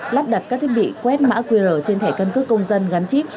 lắp đặt các thiết bị quét mã qr trên thẻ căn cước công dân gắn chip